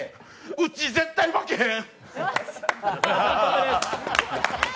うち、絶対負けへん！